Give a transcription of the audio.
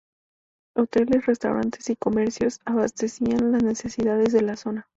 Hoteles, restaurantes y comercios abastecían las necesidades de la zona.